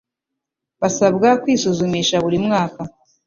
basabwa kwisuzumisha buri mwaka